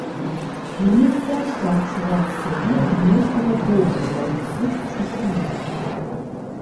Мне цяжка адчуваць сябе аднолькава добра ва ўсіх стыхіях.